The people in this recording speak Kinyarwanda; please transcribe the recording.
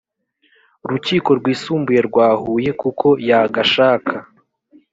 rukiko rwisumbuye rwa huye kuko yagashaka